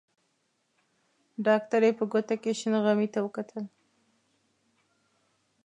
ډاکټرې په ګوته کې شنه غمي ته وکتل.